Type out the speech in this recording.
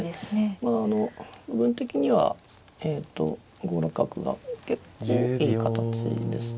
まああの部分的にはえっと５六角が結構いい形でして。